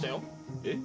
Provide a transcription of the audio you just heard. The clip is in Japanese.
えっ？